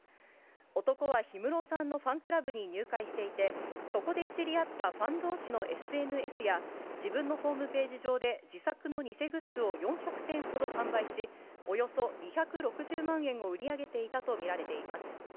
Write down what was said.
男は氷室さんのファンクラブに入会していて、そこで知り合ったファンどうしのＳＮＳや自分のホームページ上で、自作の偽グッズを４００点ほど販売し、およそ２６０万円を売り上げていたと見られています。